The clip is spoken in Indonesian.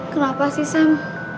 kenapa sih sam